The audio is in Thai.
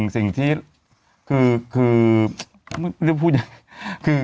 สิ่งที่คือ